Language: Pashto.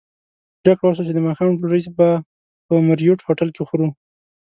پرېکړه وشوه چې د ماښام ډوډۍ به په مریوټ هوټل کې خورو.